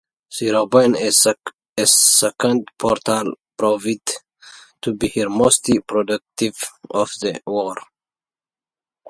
"Sea Robin"s second patrol proved to be her most productive of the war.